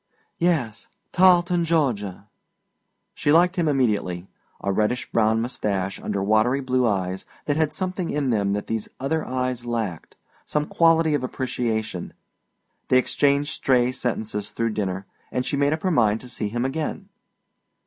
"Yes; Tarleton, Georgia." She liked him immediately a reddish brown mustache under watery blue eyes that had something in them that these other eyes lacked, some quality of appreciation. They exchanged stray sentences through dinner, and she made up her mind to see him again.